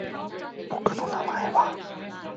옥점 어머니는 입었던 저고리를 얼른 벗었다.